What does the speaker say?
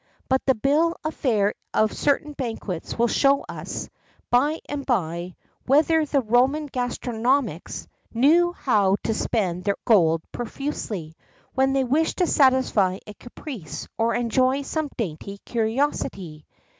But the bill of fare of certain banquets will show us, by and by, whether the Roman gastronomics knew how to spend their gold profusely, when they wished to satisfy a caprice or enjoy some dainty curiosity.